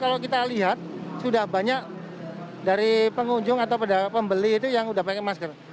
kalau kita lihat sudah banyak dari pengunjung atau pembeli itu yang sudah pakai masker